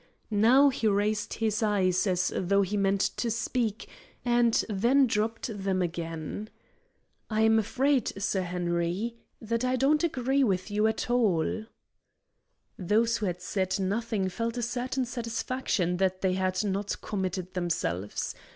Now he raised his eyes as though he meant to speak, and then dropped them again. "I am afraid, Sir Henry," he said, "that I don't agree with you at all." Those who had said nothing felt a certain satisfaction that they had not committed themselves.